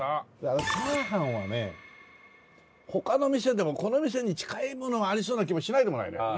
チャーハンはね他の店でもこの店に近いものがありそうな気もしないでもないのよ。